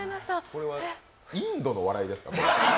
これはインドの笑いですか？